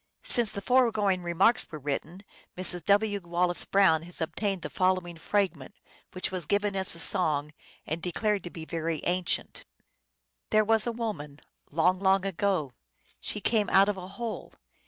Since the foregoing remarks were written, Mrs. W. Wallace Brown has obtained tho following fragment, which was given as a song, and declared to be very ancient :" There was a woman, long, long ago : She came out of a hole.